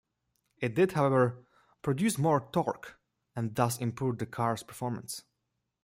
It did, however, produce more torque and thus improved the car's performance.